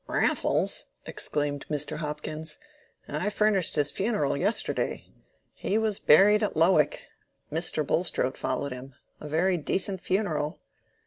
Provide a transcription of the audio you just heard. "Raffles!" exclaimed Mr. Hopkins. "I furnished his funeral yesterday. He was buried at Lowick. Mr. Bulstrode followed him. A very decent funeral."